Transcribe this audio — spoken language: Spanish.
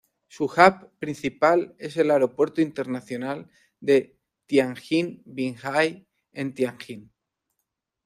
Su "hub" principal es el Aeropuerto Internacional de Tianjín-Binhai en Tianjin.